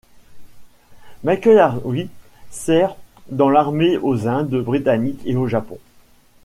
Michael Hardwick sert dans l'armée aux Indes britanniques et au Japon.